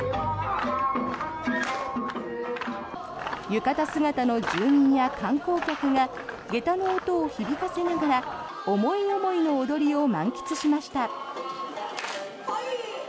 浴衣姿の住民や観光客が下駄の音を響かせながら思い思いの踊りを満喫しました。